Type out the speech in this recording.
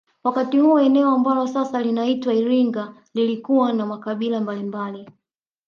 Wakati huo eneo ambalo sasa linaitwa iringa lilikuwa na makabila mbalimbali